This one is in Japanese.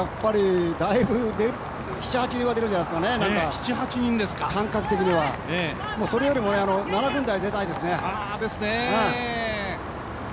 ７、８人は出るんじゃないですかね、感覚的には。それよりも７分台、出たいですね。